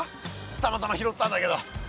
たまたま拾ったんだけど。